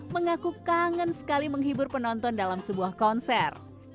mengaku kangen sekali menghibur penonton dalam sebuah konser